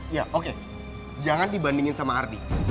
ya oke jangan dibandingin sama ardi